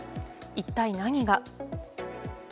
一体、何が。